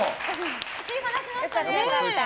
突き放しましたね。